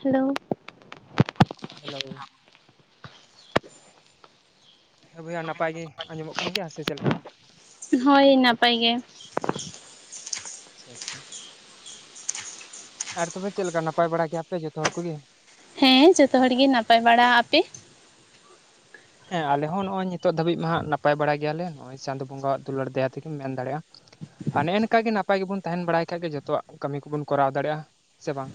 Hello hello ᱦᱮ ᱵᱚᱭᱦᱟ ᱱᱟᱯᱟᱭ ᱜᱮ ᱟᱸᱡᱚᱢᱚᱜ ᱠᱟᱱ ᱜᱮᱭᱟ ᱥᱮ ᱪᱮᱫ ᱞᱮᱠᱟ ᱦᱳᱭ ᱱᱟᱯᱟᱭ ᱜᱮ ᱟᱪᱪᱷᱟ ᱟᱪᱪᱷᱟ ᱟᱨ ᱛᱚᱵᱮ ᱪᱮᱫᱮ ᱞᱮᱠᱟ ᱱᱟᱯᱟᱭ ᱵᱟᱲᱟ ᱜᱮᱭᱟᱯᱮ ᱡᱚᱛᱚ ᱦᱚᱲ ᱠᱚᱜᱮ ᱦᱮᱸ ᱡᱚᱛᱚ ᱦᱚᱲ ᱜᱮ ᱱᱟᱯᱟᱭ ᱵᱟᱲᱟ ᱟᱯᱮ ᱦᱮᱸ ᱟᱞᱮ ᱦᱚᱸ ᱱᱚᱜ-ᱚᱭ ᱱᱤᱛᱚᱜ ᱫᱷᱟᱹᱵᱤᱡ ᱢᱟ ᱦᱟᱸᱜ ᱱᱟᱯᱟᱭ ᱵᱟᱲᱟ ᱜᱮᱭᱟᱞᱮ ᱪᱟᱸᱫᱳ ᱵᱚᱸᱜᱟᱣᱟᱜ ᱫᱩᱞᱟᱹᱲ ᱫᱟᱭᱟ ᱛᱮᱜᱮ ᱢᱮᱱ ᱫᱟᱲᱮᱭᱟᱜᱼᱟ ᱦᱟ ᱱᱮ ᱱᱝᱠᱟ ᱜᱮ ᱱᱟᱯᱟᱭ ᱜᱮᱵᱚᱱ ᱛᱟᱦᱮᱱ ᱵᱟᱲᱟᱭ ᱠᱷᱟᱡ ᱜᱮ ᱡᱚᱛᱚᱣᱟᱜ ᱠᱟᱹᱢᱤ ᱠᱚᱵᱚᱱ ᱠᱚᱨᱟᱣ ᱫᱟᱲᱮᱭᱟᱜᱼᱟ ᱥᱮ ᱵᱟᱝ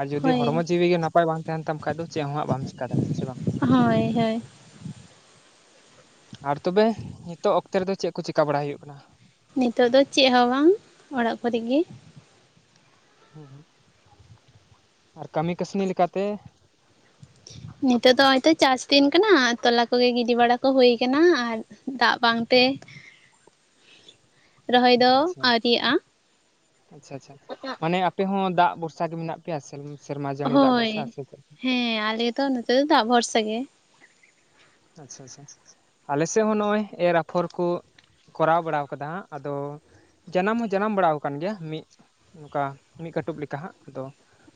ᱟᱨ ᱡᱩᱫᱤ ᱦᱳᱭ ᱦᱚᱲᱢᱚ ᱡᱤᱣᱤ ᱜᱮ ᱱᱟᱯᱟᱭ ᱵᱟᱝ ᱛᱟᱦᱮᱱ ᱛᱟᱢ ᱠᱷᱟᱡ ᱫᱚ ᱪᱮᱫᱦᱚᱸᱦᱟᱜ ᱵᱟᱢ ᱪᱤᱠᱟ ᱫᱟᱲᱮᱼᱟ ᱥᱮ ᱵᱟᱝ ᱦᱳᱭ ᱦᱳᱭ ᱟᱨ ᱛᱚᱵᱮ ᱱᱤᱛᱚᱜ ᱚᱠᱛᱮ ᱨᱮᱫᱚ ᱪᱮᱫ ᱠᱚ ᱪᱤᱠᱟ ᱵᱟᱲᱟ ᱦᱩᱭᱩᱜ ᱠᱟᱱᱟ? ᱱᱤᱛᱚᱜ ᱫᱚ ᱪᱮᱫ ᱦᱚᱸ ᱵᱟᱝ ᱚᱲᱟᱜ ᱠᱚᱨᱮᱜᱤ ᱦᱩᱸ ᱦᱩᱸ ᱟᱨ ᱠᱟᱹᱢᱤ ᱠᱟᱹᱥᱱᱤ ᱞᱮ ᱠᱟᱛᱮ? ᱱᱤᱛᱚᱜ ᱫᱚ ᱱᱚᱜᱚᱭ ᱛᱚ ᱪᱟᱥ ᱫᱤᱱ ᱠᱟᱱᱟ ᱛᱚ ᱞᱟ ᱠᱚ ᱜᱮ ᱜᱤᱰᱤ ᱵᱟᱲᱟ ᱠᱚ ᱦᱳᱭ ᱠᱟᱱᱟ᱾ ᱟᱨ ᱫᱟᱜᱽ ᱵᱟᱝ ᱛᱮ [inaudible] ᱨᱚᱦᱚᱭ ᱫᱚ ᱟᱪᱪᱷᱟ ᱟᱣᱨᱤ ᱭᱟᱜᱼᱟ ᱟᱪᱪᱷᱟ ᱟᱪᱪᱷᱟ ᱢᱟᱱᱮ ᱟᱯᱮ ᱦᱚᱸ ᱫᱟᱜᱽ ᱵᱷᱚᱨ ᱥᱟ ᱜᱮ ᱢᱮᱱᱟᱜ ᱯᱮᱭᱟ ᱥᱮ ᱥᱮᱨᱢᱟ ᱡᱟᱹᱲᱤ ᱫᱟᱜ ᱦᱳᱭ ᱵᱷᱚᱨᱥᱟ ᱥᱮ ᱪᱮᱫ? ᱦᱮᱸ ᱟᱞᱮ ᱛᱚ ᱱᱚ ᱛᱮ ᱫᱚ ᱫᱟᱜ ᱵᱷᱚᱨ ᱥᱟ ᱜᱮ ᱟᱪᱪᱷᱟ ᱟᱪᱪᱷᱟ ᱟᱞᱮ ᱥᱮ ᱦᱚᱸ ᱱᱚᱜᱼᱚᱭ ᱮᱨ ᱟᱯᱷᱚᱨ ᱠᱚ ᱠᱚᱨᱟᱣ ᱵᱟᱲᱟᱣ ᱠᱟᱫᱟ ᱟᱫᱚ ᱡᱟᱱᱟᱢ ᱦᱚᱸ ᱡᱟᱱᱟᱢ ᱵᱟᱲᱟ ᱠᱟᱱ ᱜᱮᱭᱟ ᱢᱤᱫ ᱱᱚᱝᱠᱟ ᱢᱤᱫ ᱠᱟᱹᱴᱩᱵ ᱞᱮᱠᱟ ᱦᱟᱸᱜ ᱟᱫᱚ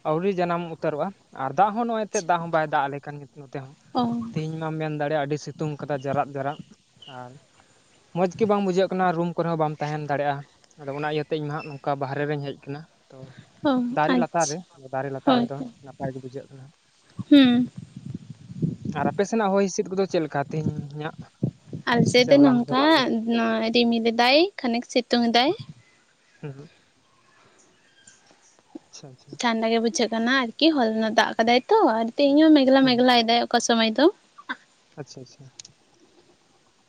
ᱟᱹᱣᱨᱤ ᱡᱟᱱᱟᱢ ᱩᱛᱟᱹᱨ ᱚᱜᱼᱟ ᱟᱨ ᱫᱟᱜᱽ ᱦᱚᱸ ᱱᱚᱜᱼᱚᱭ ᱮᱱ ᱛᱮ ᱫᱟᱜᱽ ᱦᱚᱸ ᱵᱟᱭ ᱫᱟᱜᱽ ᱟᱞᱮ ᱠᱟᱱ ᱜᱮ ᱱᱚ ᱛᱮ ᱦᱚᱸ ᱚ ᱛᱤᱦᱤᱧ ᱢᱟ ᱢᱮᱱ ᱫᱟᱲᱮ ᱭᱟᱜ ᱟᱹᱰᱤ ᱥᱤᱛᱩᱢ ᱠᱟᱫᱟ ᱡᱟᱨᱟᱫ ᱡᱚᱨᱟᱫ ᱟᱨ ᱢᱚᱸᱡᱽ ᱜᱮ ᱵᱟᱝ ᱵᱩ ᱡᱷᱟᱹᱜ ᱠᱟᱱᱟ ᱨᱩᱢ ᱠᱚ ᱨᱮ ᱦᱚᱸ ᱵᱟᱢ ᱛᱟᱦᱮᱸᱱ ᱫᱟᱲᱮ ᱭᱟᱜᱼᱟ ᱟᱫᱚ ᱚᱱᱟ ᱤᱭᱟᱹᱛᱮ ᱤᱧ ᱦᱟᱸᱜ ᱱᱚᱝ ᱠᱟ ᱵᱟᱦᱮ ᱨᱮ ᱨᱮᱧ ᱦᱮᱡ ᱠᱟᱱᱟ᱾ ᱚ ᱫᱟᱨᱮ ᱞᱟᱛᱟᱨ ᱟᱪᱪᱷᱟ ᱨᱮ ᱫᱟᱨᱮ ᱞᱟᱛᱟᱨ ᱨᱮ ᱦᱳᱭ ᱫᱚ ᱱᱟᱯᱟᱭ ᱜᱮ ᱵᱩᱡᱷᱟᱹᱜ ᱠᱟᱱᱟ᱾ ᱦᱩᱸ ᱟᱨ ᱟᱯᱮ ᱥᱮᱱᱟᱜ ᱦᱚᱭ ᱦᱤᱸ ᱥᱤᱫ ᱠᱚ ᱫᱚ ᱪᱮᱫ ᱞᱮᱠᱟ ᱛᱮᱦᱮᱧ ᱟᱜ ᱟᱞᱮ ᱥᱮᱫ ᱫᱚ ᱱᱚᱝ ᱠᱟ ᱨᱤᱢᱤᱞ ᱫᱟᱭ ᱠᱷᱟᱱᱤᱠ ᱥᱤᱛᱩᱝ ᱮᱫᱟᱭ ᱦᱩᱸ ᱦᱩᱸ ᱟᱪᱪᱷᱟ ᱟᱪᱪᱷᱟ ᱦᱩᱸ ᱴᱷᱟᱱᱰᱟ ᱜᱮ ᱵᱩᱡᱷᱟᱹᱜ ᱠᱟᱱᱟ ᱟᱨᱠᱤ ᱦᱚ ᱞᱟ ᱱᱟᱜ ᱫᱟᱜ ᱠᱟᱫᱟᱭ ᱛᱚ ᱟᱨ ᱛᱤᱦᱤᱧ ᱦᱚᱸ ᱢᱮᱜᱞᱟ ᱦᱩᱸ ᱢᱮᱜᱞᱟ ᱮᱫᱟᱭ ᱚᱠᱟ ᱥᱚᱢᱚᱭ ᱫᱚ ᱟᱪᱪᱷᱟ ᱟᱪᱪᱷᱟ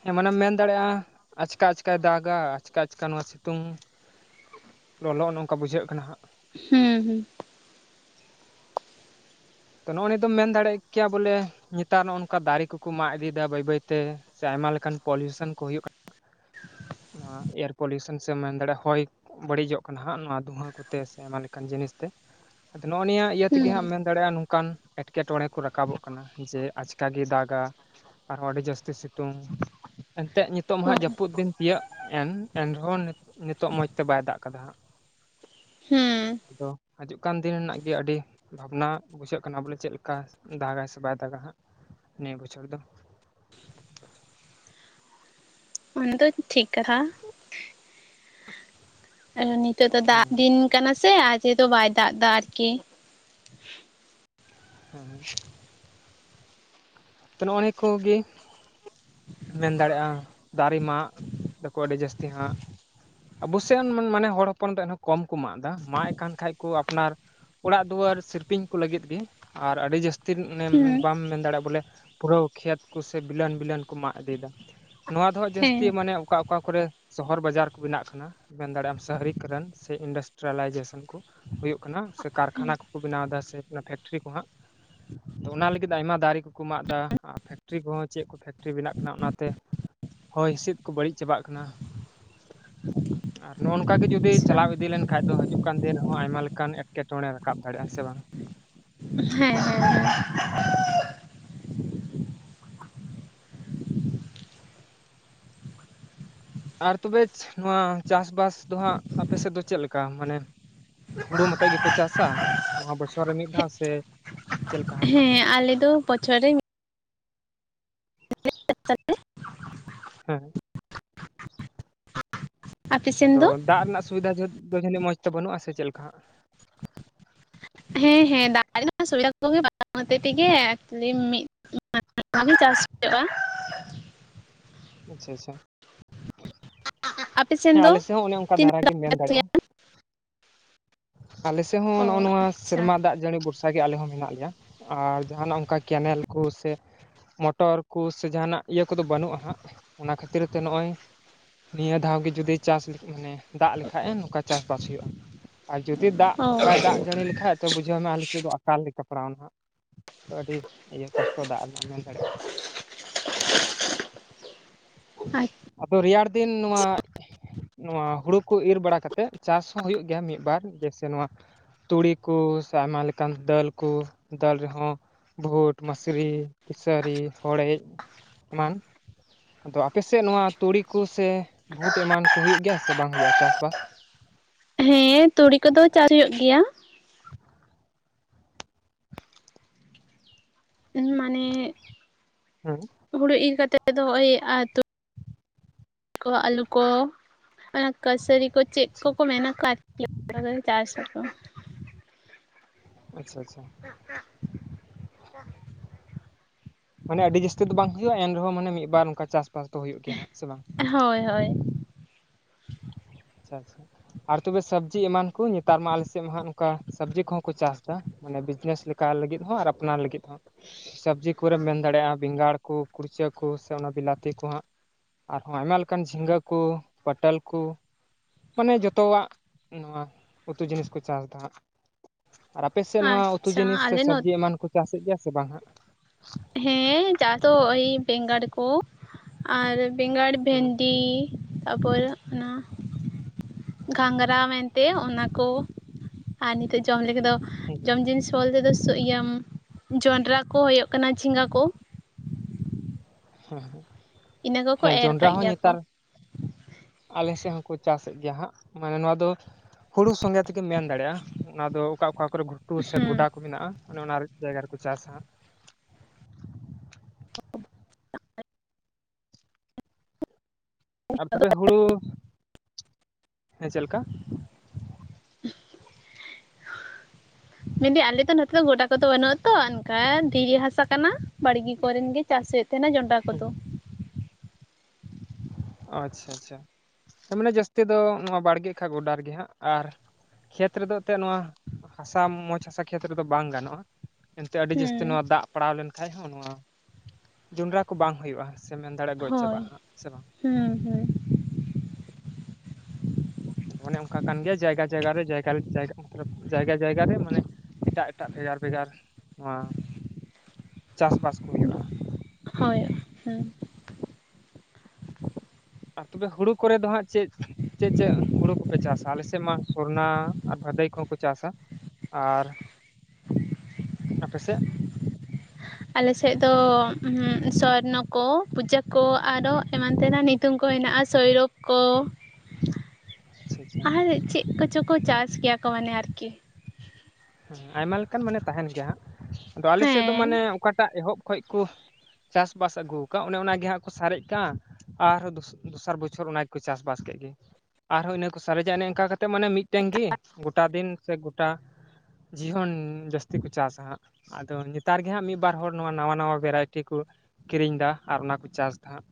ᱦᱮᱸ ᱢᱟᱱᱮ ᱢᱮᱱ ᱫᱟᱲᱮ ᱭᱟᱜᱼᱟ᱾ ᱟᱪᱠᱟ ᱟᱪᱠᱟ ᱫᱟᱜᱽ ᱜᱟ ᱟᱪᱠᱟ ᱟᱪᱠᱟ ᱱᱚᱣᱟ ᱥᱤᱛᱩᱝ ᱞᱚ ᱞᱚ ᱱᱚᱝ ᱠᱟ ᱵᱩᱡᱷᱟᱹᱜ ᱠᱟᱱᱟ ᱦᱟᱸᱜ ᱦᱩᱸ ᱦᱩᱸ ᱛᱚ ᱱᱚᱜᱼᱚᱭ ᱱᱤᱭᱟᱹ ᱫᱚᱢ ᱢᱮᱱ ᱫᱟᱲᱮ ᱭᱟᱜ ᱠᱮᱭᱟ ᱵᱚᱞᱮ ᱱᱮᱛᱟᱨ ᱱᱚᱜ ᱱᱚᱝ ᱠᱟ ᱫᱟᱨᱮ ᱠᱚ ᱠᱚ ᱢᱟᱜ ᱤᱫᱤ ᱭᱮᱫᱟ ᱵᱟᱹᱭ ᱵᱟᱹᱭ ᱛᱮ ᱥᱮ ᱟᱭᱢᱟ ᱞᱮᱠᱟᱱ ᱯᱚᱞᱩ ᱭᱮᱥᱚᱱ ᱠᱚ ᱦᱩᱭᱩᱜ ᱠᱟᱱᱟ᱾ ᱚ ᱮᱭᱟᱨ ᱯᱚᱞᱩ ᱥᱚᱱ ᱥᱮ ᱢᱮ ᱫᱟᱲᱮ ᱦᱚᱭ ᱵᱟᱹᱲᱤ ᱡᱚᱜ ᱠᱟᱱᱟ ᱦᱟᱸᱜ ᱱᱚᱣᱟ ᱫᱩᱸᱦᱟᱹ ᱠᱚ ᱛᱮ ᱥᱮ ᱟᱭᱢᱟ ᱞᱮᱠᱟᱱ ᱡᱤᱱᱤᱥ ᱛᱮ ᱟᱫᱚ ᱱᱚᱭᱼᱟ ᱱᱤᱭᱟᱹ ᱤᱭᱟᱹ ᱛᱮ ᱜᱮ ᱦᱟᱸᱜ ᱦᱩᱸ ᱢᱮᱱ ᱫᱟᱲᱮ ᱭᱟᱜᱼᱟ ᱱᱚᱝ ᱠᱟᱱ ᱮᱴᱠᱮ ᱴᱚᱬᱮ ᱠᱚ ᱨᱟᱠᱟ ᱵᱚᱜ ᱠᱟᱱᱟ ᱡᱮ ᱟᱪᱠᱟ ᱜᱮ ᱫᱟᱜᱟ᱾ ᱟᱨ ᱦᱚᱸ ᱟᱹᱰᱤ ᱡᱟᱹᱥᱛᱤ ᱥᱤᱛᱩᱝ ᱮᱱ ᱛᱮᱫ ᱱᱤᱛᱚᱜ ᱚ ᱦᱟᱜ ᱡᱟᱹᱯᱩᱫ ᱫᱤᱱ ᱛᱤᱭᱟᱟᱹᱜ ᱮᱱ ᱮᱱ ᱨᱮ ᱦᱚᱸ ᱱᱤᱛᱚᱜ ᱢᱚᱸᱡᱽ ᱛᱮ ᱵᱟᱭ ᱫᱟᱜ ᱠᱟᱫᱟ ᱦᱟᱸᱜ ᱦᱩᱸ ᱟᱫᱚ ᱦᱤᱡᱩᱜ ᱠᱟᱱ ᱫᱤᱱ ᱨᱮᱱᱟᱜ ᱜᱮ ᱟᱹᱰᱤ ᱵᱷᱟᱵ ᱱᱟ ᱵᱩᱡᱷᱟᱹᱜ ᱠᱟᱱᱟ ᱵᱚ ᱞᱮ ᱪᱮᱫ ᱞᱮᱠᱟ ᱫᱟᱜᱟ ᱥᱮ ᱵᱟᱭ ᱫᱟᱜᱟ ᱦᱟᱸᱜ ᱱᱤᱭᱟᱹ ᱵᱚᱪᱷᱚᱨ ᱫᱚ ᱚᱱᱟ ᱫᱚ ᱴᱷᱤᱠ ᱠᱟᱛᱷᱟ ᱟᱨᱚ ᱱᱤᱛᱚᱜ ᱫᱚ ᱫᱟᱜ ᱦᱮᱸ ᱫᱤᱱ ᱠᱟᱱᱟ ᱥᱮ ᱟᱡᱮ ᱫᱚ ᱵᱟᱭ ᱫᱟᱜ ᱫᱟ ᱟᱨᱠᱤ ᱦᱮᱸ ᱦᱮᱸ ᱛᱚ ᱱᱤᱛ ᱱᱤᱭᱟᱹ ᱠᱚ ᱜᱮ ᱢᱮᱱ ᱫᱟᱲᱮ ᱟᱢ ᱫᱟᱨᱮ ᱢᱟᱜ ᱫᱚ ᱠᱚ ᱟᱹᱰᱤ ᱡᱟᱹᱥᱛᱤ ᱦᱟᱜ ᱟᱵᱚᱥ ᱥᱳᱭᱱ ᱢᱚᱱ ᱢᱟᱱᱮ ᱦᱚᱲ ᱦᱚᱯᱚᱱ ᱫᱚ ᱮᱱᱦᱚᱸᱠᱚ ᱠᱚᱢ ᱠᱚ ᱢᱟᱜ ᱫᱟ ᱢᱟᱜ ᱮ ᱠᱟᱱ ᱠᱷᱟᱡ ᱠᱚ ᱟᱯᱱᱟᱨ ᱚᱲᱟᱜ ᱫᱩᱣᱟᱹᱨ ᱥᱤᱞ ᱯᱤᱧ ᱠᱚ ᱞᱟᱹᱜᱤᱫ ᱜᱮ ᱟᱨ ᱟᱹᱰᱤ ᱡᱟᱹᱥᱛᱤ ᱢᱟᱱᱮ ᱦᱩᱸ ᱵᱟᱢ ᱢᱮᱱ ᱫᱟᱲᱮᱭᱟᱜᱼᱟ ᱵᱚ ᱞᱮ ᱯᱩᱨᱟᱹ ᱠᱷᱮᱛ ᱠᱚ ᱥᱮ ᱵᱤᱞᱚᱱ ᱵᱤᱞᱚᱱ ᱠᱚ ᱢᱟᱜ ᱤᱫᱤ ᱫᱟ ᱱᱚᱣᱟ ᱫᱚ ᱦᱟᱸᱜ ᱡᱟᱹᱥᱛᱤ ᱦᱮᱸ ᱢᱟᱱᱮ ᱚᱠᱟ ᱚᱠᱟ ᱠᱚ ᱨᱮ ᱥᱚᱦᱚᱨ ᱵᱟᱡᱟᱨ ᱠᱚ ᱵᱮᱱᱟᱜ ᱠᱟᱱᱟ ᱢᱮᱱ ᱫᱟᱲᱮᱟᱜᱼᱟᱢ ᱥᱟᱨᱤᱠ ᱨᱮᱱ ᱥᱮ ᱤᱱᱰᱟᱥᱴᱮᱨᱟ ᱞᱟᱭᱡᱮᱥᱮᱱ ᱠᱚ ᱦᱩᱭᱩᱜ ᱠᱟᱱᱟ ᱥᱮ ᱠᱟᱨ ᱠᱷᱟᱱᱟ ᱠᱚ ᱠᱚ ᱵᱮᱱᱟᱣ ᱫᱟ ᱥᱮ ᱯᱷᱮᱠ ᱴᱤᱨᱤ ᱠᱚᱱᱦᱟᱸᱜ ᱫᱚ ᱚᱱᱟ ᱞᱟᱹᱜᱤᱫ ᱟᱭᱢᱟ ᱫᱟᱨᱮ ᱠᱚ ᱠᱚ ᱢᱟᱜ ᱫᱟ ᱨᱟ ᱯᱷᱮᱠ ᱴᱨᱤ ᱠᱚ ᱦᱚᱸ ᱪᱮᱫ ᱠᱚ ᱯᱷᱮᱠ ᱴᱨᱤ ᱵᱮᱱᱟᱜ ᱠᱟᱱᱟ ᱚᱱᱟ ᱛᱮ ᱦᱚᱭ ᱦᱤᱸᱥᱤᱫ ᱠᱚ ᱵᱟᱹᱲᱤᱡ ᱪᱟᱵᱟᱜ ᱠᱟᱱᱟ᱾ ᱟᱨ ᱱᱚᱼᱚ ᱱᱚᱝᱠᱟ ᱜᱮ ᱡᱩᱫᱤ ᱟᱪᱪᱷᱟ ᱪᱟᱞᱟᱣ ᱤᱫᱤ ᱞᱮᱱᱟᱡ ᱫᱚ ᱦᱤᱡᱩᱜ ᱠᱟᱱ ᱫᱤᱱᱨᱮᱦᱚᱸ ᱟᱭᱢᱟ ᱞᱮᱠᱟᱱ ᱮᱴᱠᱮ ᱴᱚᱬᱮ ᱨᱟᱠᱟᱵ ᱫᱟᱲᱮᱟᱼᱟ ᱥᱮ ᱵᱟᱝ? ᱦᱮᱸ ᱦᱮᱸᱮ ᱟᱨ ᱛᱚᱵᱮ ᱪᱷᱟ ᱱᱚᱣᱟ ᱪᱟᱥᱵᱟᱥ ᱫᱚ ᱦᱟᱸᱜ ᱟᱯᱮ ᱥᱮᱫ ᱫᱚ ᱪᱮᱫ ᱞᱮᱠᱟ ᱢᱟᱱᱮ? ᱦᱩᱲᱩ ᱢᱚᱛᱚᱭ ᱜᱮᱯᱮ ᱪᱟᱥᱟ ᱱᱚᱣᱟ ᱵᱚᱪᱷᱚᱨ ᱨᱮ ᱢᱤᱫ ᱫᱷᱟᱣ ᱥᱮ? ᱪᱮᱫ ᱞᱮᱠᱟ ᱦᱟᱸᱜ ᱦᱮᱸ ᱟᱞᱮ ᱫᱚ ᱵᱚᱪᱷᱚᱨ ᱨᱮ ᱢᱤᱼᱼ ᱦᱮᱸ ᱟᱯᱮ ᱥᱮᱱ ᱟᱫᱚ ᱫᱚ ᱫᱟᱜ ᱨᱮᱱᱟᱜ ᱥᱩᱵᱤᱫᱷᱟ ᱡᱟᱫ ᱡᱟᱹᱱᱤᱡ ᱢᱚᱡᱽᱛᱮ ᱵᱟᱹᱱᱩᱜᱼᱟ ᱥᱮ ᱪᱮᱫ ᱞᱮᱠᱟ ᱦᱟ? ᱦᱮᱸ ᱦᱮᱸ ᱫᱟᱜ ᱨᱮᱱᱟᱜ ᱥᱩᱵᱤᱫᱟ ᱠᱚᱜᱮ ᱵᱟ ᱦᱚᱛᱮᱝ [inaudible] ᱛᱮᱜᱮ ᱮ ᱢᱤᱫᱼᱼ [inaudible] ᱚᱱᱟ ᱜᱮ [inaudible] ᱪᱟᱥ ᱦᱩᱭᱳᱜᱼᱟ᱾ ᱟᱪᱪᱷᱟ ᱟᱪᱷᱟ᱾ ᱟᱯᱮ ᱥᱮᱱ ᱦᱮᱸ ᱫᱚ ᱟᱞᱮᱮᱥᱮᱫ ᱦᱚᱸ ᱚᱱᱮ ᱚᱱᱠᱟ ᱛᱤᱱᱟᱹᱜ ᱫᱷᱟᱨᱟ ᱜᱮ ᱢᱮᱱ ᱪᱟᱥ ᱫᱟᱲᱮᱼᱟ᱾ ᱦᱩᱭᱩᱜᱼᱟ ᱟᱞᱮᱮᱥᱮᱫ ᱦᱚᱸ ᱱᱚᱜᱼᱚ ᱱᱚᱣᱟ ᱥᱮᱨᱢᱟ ᱫᱟᱜ ᱡᱟᱹᱲᱤ ᱚᱥᱮ [unintelligible] ᱟᱜᱮ ᱟᱞᱮ ᱦᱚᱸ ᱢᱮᱱᱟᱜ ᱞᱮᱭᱟ ᱟᱨ ᱡᱟᱦᱟᱱᱟᱜ ᱚᱱᱠᱟ ᱠᱮᱱᱮᱞ ᱠᱚ ᱥᱮᱼᱼ ᱢᱚᱴᱚᱨ ᱠᱚ ᱥᱮ ᱡᱟᱦᱟᱱᱟᱜᱼᱼ ᱤᱭᱟᱹ ᱠᱚᱫᱚ ᱵᱟᱹᱱᱩᱜᱼᱟ ᱦᱟᱸᱜ ᱚᱱᱟ ᱠᱷᱟᱹᱛᱤᱨ ᱛᱮ ᱱᱚᱜᱼᱚᱭ ᱱᱤᱭᱟᱹ ᱫᱷᱟᱣ ᱜᱮ ᱡᱩᱫᱤ ᱪᱟᱥ ᱢᱟᱱᱮᱼᱼ ᱫᱟᱜ ᱞᱮᱠᱷᱟᱡ ᱮᱱ ᱱᱚᱠᱟ ᱪᱟᱥᱵᱟᱥ ᱦᱩᱭᱩᱜᱼᱟ ᱟᱨ ᱡᱩᱫᱤ ᱫᱟᱜ ᱚ ᱟᱪᱪᱷᱟ ᱵᱟᱭ ᱚ ᱫᱟᱜ ᱡᱟᱹᱲᱤ ᱞᱮᱠᱷᱟᱼᱼ ᱥᱮ ᱵᱩᱡᱷᱟᱹᱣ ᱢᱮ ᱟᱞᱮᱥᱮᱫ ᱫᱚ ᱟᱠᱟᱞᱮ ᱞᱮᱠᱟ ᱯᱲᱟᱣ ᱱᱟᱦᱟᱜ ᱛᱚ ᱟᱹᱰᱤ ᱤᱭᱟᱹ ᱠᱚᱥᱴᱚ ᱫᱟᱜ ᱨᱮᱱᱟᱜ ᱢᱮᱱ ᱫᱟᱲᱮᱼᱟ᱾ ᱟᱫᱚ ᱨᱮᱭᱟᱲ ᱫᱤᱱ ᱱᱚᱣᱟ-ᱜᱼᱼ ᱱᱚᱣᱟ ᱦᱩᱲᱩ ᱠᱚ ᱤᱨ ᱵᱟᱲᱟ ᱠᱟᱛᱮ ᱪᱟᱥ ᱦᱚᱸ ᱦᱩᱭᱩᱜ ᱜᱮᱭᱟ ᱢᱤᱫᱵᱟᱨ ᱡᱮᱥᱮ ᱱᱚᱣᱟ ᱛᱩᱲᱤ ᱠᱚ ᱥᱮ ᱟᱭᱢᱟ ᱞᱮᱠᱟᱱ ᱫᱟᱹᱞ ᱠᱚ ᱫᱟᱹᱞ ᱨᱮᱦᱚᱸ ᱵᱷᱩᱴ ᱢᱥᱨᱤ ᱠᱮᱥᱟᱹᱨᱤ ᱦᱚᱲᱮᱡ ᱮᱢᱟᱱ ᱫᱚ ᱟᱯᱮ ᱥᱮᱼᱼ ᱥᱮ ᱱᱚᱣᱟ ᱛᱩᱲᱤ ᱠᱚ ᱥᱮ ᱵᱷᱩᱴ ᱮᱢᱟᱱ ᱠᱚ ᱦᱩᱭᱩᱜ ᱜᱮᱭᱟ ᱥᱮ ᱵᱟᱝ ᱦᱩᱭᱩᱜᱼᱟ ᱪᱟᱥ ᱵᱟᱥ? ᱦᱮᱸ ᱛᱩᱲᱤ ᱠᱚᱫᱚ ᱪᱟᱥ ᱦᱩᱭᱩᱜ ᱜᱮᱭᱟ᱾ ᱩ ᱢᱟᱱᱮᱼᱼ ᱦᱩᱸ ᱦᱩᱲᱩ ᱤᱨ ᱠᱟᱛᱮᱮᱫ ᱫᱚ ᱱᱚᱭ ᱟᱛᱚᱼᱼ ᱠᱚ ᱟᱹᱞᱩ ᱠᱚ ᱮ ᱠᱟᱹᱥᱟᱹᱨᱤ ᱠᱚ ᱪᱮᱫ ᱟᱪᱪᱷᱟ ᱠᱚᱠᱚ ᱢᱮᱱᱟ ᱠᱟᱼᱼ ᱪᱟᱥ ᱟᱠᱚ ᱟᱪᱪᱷᱟ ᱟᱪᱪᱷᱟ᱾ ᱦ [inaudible] ᱢᱟᱱᱮ ᱟᱹᱰᱤ ᱡᱟᱹᱥᱛᱤ ᱫᱚ ᱵᱟᱝ ᱦᱩᱭᱩᱜᱼᱟ ᱮᱱ ᱨᱮᱦᱚᱸ ᱢᱟᱱᱮ ᱢᱤᱫ ᱵᱟᱨ ᱚᱱᱠᱟ ᱪᱟᱥᱵᱟᱥ ᱫᱚ ᱦᱩᱭᱩᱜ ᱜᱮᱭᱟ ᱥᱮᱼᱵᱟᱝ? ᱦᱳᱭ ᱦᱳᱭ ᱟᱨ ᱛᱚᱵᱮ ᱥᱚᱵᱽᱡᱤ ᱮᱢᱟᱱ ᱠᱚ ᱱᱮᱛᱟᱨ ᱢᱟ ᱟᱞᱮᱥᱮᱫ ᱢᱟ ᱦᱟᱜ ᱱᱚᱝᱠᱟ ᱥᱚᱵᱽᱡᱤ ᱠᱚᱦᱚᱸ ᱠᱚ ᱪᱟᱥ ᱮᱫᱟ ᱢᱟᱱᱮ ᱵᱤᱡᱽᱱᱮᱥ ᱞᱮᱠᱟ ᱞᱟᱹᱜᱤᱫ ᱦᱚᱸ ᱟᱨ ᱟᱯᱱᱟᱨ ᱞᱟᱹᱜᱤᱫ ᱦᱚᱸ ᱥᱚᱵᱽᱡᱤ ᱠᱚᱨᱮᱢ ᱢᱮᱱ ᱫᱟᱲᱮᱭᱟᱜᱼᱟ ᱵᱮᱸᱜᱟᱲ ᱠᱚ ᱠᱩᱲᱪᱟᱹ ᱠᱚ ᱥᱮ ᱚᱱᱟ ᱵᱤᱞᱟᱛᱤ ᱠᱚ ᱦᱟᱸᱜ, ᱟᱨᱦᱚᱸ ᱟᱭᱢᱟ ᱞᱮᱠᱟᱱ ᱡᱷᱤᱸᱜᱟᱹ ᱠᱚ ᱯᱚᱴᱚᱞ ᱠᱚ ᱢᱟᱱᱮ ᱡᱚᱛᱚᱣᱟᱜ ᱱᱚᱣᱟ ᱩᱛᱩ ᱡᱤᱱᱤᱥ ᱠᱚ ᱪᱟᱥ ᱮᱫᱟ᱾ ᱟᱨ ᱟᱯᱮ ᱥᱮᱫ ᱱᱚᱣᱟ ᱩᱛᱩ ᱟᱪᱪᱷᱟ ᱡᱤᱱᱤᱥ ᱥᱮ ᱟᱞᱮ ᱱᱚᱛ ᱥᱚᱵᱽᱡᱤ ᱮᱢᱟᱱ ᱠᱚ ᱪᱟᱥᱮᱫ ᱜᱮᱭᱟ ᱥᱮ ᱵᱟᱝᱼᱟ? ᱦᱮᱸ ᱪᱟᱥ ᱫᱚ ᱳᱭ ᱵᱮᱸᱜᱟᱲ ᱠᱚ ᱟᱨ ᱵᱮᱸᱜᱟᱲᱼᱼ ᱦᱮᱸ ᱵᱷᱮᱱᱰᱤ ᱛᱟᱯᱚᱨ ᱚᱱᱟᱼᱼ ᱜᱷᱟᱸᱝᱨᱟ ᱢᱮᱱᱛᱮ ᱚᱱᱟᱠᱚ ᱟᱨ ᱱᱤᱛᱳᱜ ᱡᱚᱢ ᱞᱟᱹᱜᱤᱫ ᱫᱚᱼᱼ ᱡᱚᱢ ᱡᱤᱱᱤᱥ ᱵᱚᱞᱛᱮ ᱫᱚ ᱤᱭᱟᱹ ᱡᱚᱸᱰᱨᱟ ᱠᱚ, ᱦᱩᱭᱩᱜ ᱠᱟᱱᱟ ᱡᱷᱤᱸᱜᱟ ᱠᱚ, ᱦᱮᱸ ᱤᱱᱟᱹ ᱠᱚᱠᱚ ᱦᱮᱸ ᱮᱨ ᱡᱚᱱᱰᱨᱟ ᱠᱟᱜ ᱦᱚᱸ ᱜᱮᱭᱟ ᱠᱚ ᱱᱮᱛᱟᱨᱼᱼ ᱟᱞᱮ ᱥᱮᱫ ᱦᱚᱸᱠᱚ ᱪᱟᱥ ᱮᱫ ᱜᱮᱭᱟ ᱦᱟᱸᱜ ᱢᱟᱱᱮ ᱱᱚᱣᱟ ᱫᱚ ᱦᱩᱲᱩ ᱥᱚᱸᱜᱮᱼᱼ ᱪᱤᱠᱟᱹᱢ ᱢᱮᱱ ᱫᱟᱲᱮᱭᱟᱜᱼᱟ ᱚᱱᱟ ᱫᱚ ᱚᱠᱟ ᱚᱠᱟ ᱠᱚᱨᱮ ᱜᱷᱩᱴᱩ ᱥᱮ ᱜᱚᱰᱟ ᱠᱚ ᱢᱮᱱᱟᱜᱼᱟ ᱚᱱᱮ ᱚᱱᱟ ᱡᱟᱭᱜᱟ ᱨᱮᱠᱚ ᱪᱟᱥᱟ᱾ [unintelligible] ᱟᱨ ᱛᱚᱵᱮ ᱦᱩᱲᱩ, ᱦᱮᱸ ᱪᱮᱫ ᱞᱮᱠᱟ? ᱢᱮᱱᱫᱟᱹᱧ ᱟᱞᱮᱚ ᱱᱚᱛᱮ ᱫᱚ ᱜᱚᱴᱟ ᱠᱚᱫᱚ ᱵᱟᱹᱱᱩᱜ-ᱟ ᱛᱚ ᱚᱱᱠᱟ ᱫᱷᱤᱨᱤ ᱦᱟᱥᱟ ᱠᱟᱱᱟ᱾ ᱵᱟᱲᱜᱮ ᱠᱚᱨᱮᱱ ᱜᱮ ᱪᱟᱥ ᱦᱩᱭᱩᱜᱮᱫ ᱛᱟᱦᱮᱱᱟ ᱡᱚᱱᱰᱨᱟ ᱠᱚᱫᱚᱼᱼ ᱟᱪᱪᱷᱟ ᱟᱪᱪᱷᱟ ᱢᱟᱱᱮ ᱡᱟᱹᱥᱛᱤ ᱫᱚ ᱱᱚᱣᱟ ᱵᱟᱲᱜᱮ ᱠᱷᱟ ᱜᱚᱰᱟ ᱨᱮᱜᱮ ᱦᱟᱸᱜ ᱟᱨ ᱠᱷᱮᱛ ᱨᱮ ᱫᱚ ᱮᱱᱛᱮᱫ ᱱᱚᱣᱟ ᱦᱟᱥᱟ ᱢᱚᱸᱡᱽ ᱦᱟᱥᱟ ᱠᱷᱮᱛ ᱨᱮ ᱫᱚ ᱵᱟᱝ ᱜᱟᱱᱚᱜᱼᱟ ᱮᱱᱛᱮᱫ ᱟᱹᱰᱤ ᱦᱩᱸ ᱡᱟᱹᱥᱛᱤ ᱱᱚᱣᱟ ᱫᱟᱜ ᱯᱟᱲᱟᱣ ᱞᱮᱱ ᱠᱷᱟᱡ ᱦᱚᱸ ᱱᱚᱣᱟ ᱡᱚᱸᱰᱨᱟ ᱠᱚ ᱵᱟᱝ ᱦᱩᱭᱩᱜᱼᱟ ᱥᱮ ᱢᱮᱱ ᱫᱟᱨᱮ ᱜᱚᱡ ᱦᱳᱭ ᱪᱟᱵᱟᱜᱼᱟ ᱥᱮ ᱵᱟᱝᱼᱼ ᱦᱩᱸ ᱦᱩᱸ ᱚᱱᱮ ᱚᱱᱠᱟ ᱠᱟᱱ ᱜᱮᱭᱟ ᱡᱟᱭᱜᱟ ᱡᱟᱭᱜᱟ ᱨᱮ ᱡᱟᱭᱜᱟ ᱡᱟᱭᱜᱟ ᱡᱟᱭᱜᱟ ᱡᱟᱭᱜᱟ ᱨᱮ ᱢᱟᱱᱮᱼᱼ ᱮᱴᱟᱜ ᱮᱴᱟᱜ ᱵᱷᱮᱜᱟᱨ ᱵᱷᱮᱜᱟᱨ ᱱᱚᱣᱟ ᱪᱟᱥ ᱵᱟᱥ ᱠᱚ ᱦᱩᱭᱩᱜᱼᱟ ᱦᱳᱭ ᱦᱮᱸ ᱟᱨ ᱛᱚᱵᱮ ᱦᱩᱲᱩ ᱠᱚ ᱨᱮ ᱫᱚ ᱦᱟᱸᱜ ᱪᱮᱫ ᱪᱮᱫ ᱪᱮᱫ ᱦᱩᱲᱩ ᱠᱚ ᱯᱮ ᱪᱟᱥᱟ ᱟᱞᱮ ᱥᱮᱫ ᱢᱟ ᱥᱚᱨᱱᱟ ᱟᱨ ᱵᱷᱟᱹᱫᱟᱹᱭ ᱠᱚ ᱦᱚᱸ ᱠᱚ ᱪᱟᱥᱟ ᱟᱨ, ᱟᱯᱮ ᱥᱮᱫᱼᱼ ᱟᱞᱮ ᱥᱮᱫ ᱫᱚ ᱥᱚᱨᱱᱚ ᱠᱚ ᱯᱩᱡᱟᱹ ᱠᱚ ᱟᱨᱚ ᱮᱢᱟᱱ ᱛᱮᱱᱟᱜ ᱱᱤᱛᱼᱼ ᱧᱩᱛᱩᱢ ᱠᱚ ᱦᱮᱱᱟᱜᱼᱟ ᱥᱳᱭᱨᱚᱵᱷ ᱠᱚᱼᱼ [inaudible] ᱟᱪᱪᱷᱟ ᱟᱨ ᱪᱮᱫ ᱠᱚᱪᱚ ᱠᱚ ᱪᱟᱥ ᱜᱮᱭᱟ ᱠᱚ ᱢᱟᱱᱮ ᱟᱨ ᱠᱤᱼᱼ ᱟᱭᱢᱟ ᱞᱮᱠᱟᱱ ᱢᱟᱱᱮ ᱛᱟᱦᱮᱱ ᱜᱮᱭᱟ ᱦᱟᱸᱜ ᱟᱫᱚ ᱟᱞᱮ ᱥᱮᱫ ᱫᱚ ᱦᱮᱸ ᱢᱟᱱᱮ ᱚᱠᱟᱴᱟᱜ ᱮᱦᱚᱵ ᱠᱷᱚᱡ ᱠᱚᱼᱼ ᱪᱟᱥ ᱵᱟᱥ ᱟᱹᱜᱩ ᱟᱠᱟᱜ ᱚᱱᱮ ᱚᱱᱟ ᱜᱮ ᱦᱟᱸᱜ ᱠᱚ ᱥᱟᱨᱮᱡ ᱠᱟᱜᱼᱟ ᱟᱨ ᱦᱚᱸ ᱫᱚᱥᱟ ᱫᱚᱥᱟᱨ ᱵᱚᱪᱷᱚᱨ ᱚᱱᱟ ᱜᱮ ᱠᱚ ᱪᱟᱥ ᱵᱟᱥ ᱠᱮᱫ ᱜᱮ ᱟᱨ ᱦᱚᱸ ᱤᱱᱟᱹ ᱠᱚ ᱥᱟᱨᱮᱡᱟ ᱚᱱᱮ ᱚᱱᱠᱟ ᱠᱟᱛᱮᱫᱼᱼ ᱢᱟᱱᱮ ᱢᱤᱫᱴᱮᱱ ᱜᱮ ᱜᱚᱴᱟ ᱫᱤᱱ ᱥᱮ ᱜᱚᱴᱟ ᱡᱤᱭᱚᱱ ᱡᱟᱹᱥᱛᱤ ᱠᱚ ᱪᱟᱥᱟ ᱦᱟᱸᱜᱼᱼ ᱟᱫᱚ ᱱᱮᱛᱟᱨ ᱜᱮ ᱦᱟᱸᱜ ᱢᱤᱫ ᱵᱟᱨ ᱦᱚᱲ ᱱᱚᱣᱟ ᱱᱟᱣᱟ ᱱᱟᱣᱟ ᱵᱷᱮᱨᱟᱭᱴᱤ ᱠᱚ ᱠᱤᱨᱤᱧ ᱮᱫᱟ ᱟᱨ ᱚᱱᱟ ᱠᱚ ᱪᱟᱥ ᱮᱫᱟ ᱦᱟᱸᱜ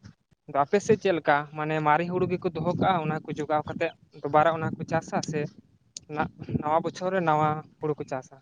ᱟᱫᱚ ᱟᱯᱮ ᱥᱮᱫ ᱪᱮᱫ ᱞᱮᱠᱟ ᱢᱟᱱᱮ ᱢᱟᱨᱮ ᱦᱩᱲᱩ ᱜᱮ ᱠᱚ ᱫᱚᱦᱚ ᱠᱟᱜᱼᱟ ᱚᱱᱟ ᱠᱚ ᱡᱚᱜᱟᱣ ᱠᱟᱛᱮᱫᱼᱼ ᱫᱩᱵᱟᱨᱟ ᱚᱱᱟ ᱠᱚ ᱪᱟᱥᱟ ᱥᱮ ᱱᱟᱣᱟ ᱵᱚᱪᱷᱚᱨ ᱨᱮ ᱱᱟᱣᱟ ᱦᱩᱲᱩ ᱠᱚ ᱪᱟᱥᱟ᱾